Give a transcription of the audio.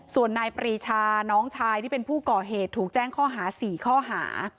ส่วนนายปรีชาน้องชายที่เป็นผู้ก่อเหตุถูกแจ้งข้อหา๔ข้อหา